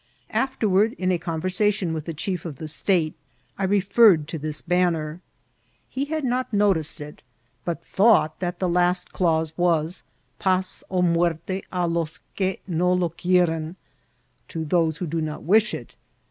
Afterward, in a conversation with the chief of the state, I referred to this banner. He had not noticed it, but thought that the last clause was ^' Paz o muerte a losqtd no lo qtderony^ ^^ to those who do not wish it.''